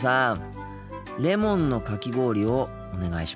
レモンのかき氷をお願いします。